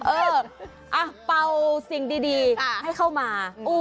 เออเป่าสิ่งดีให้เข้ามา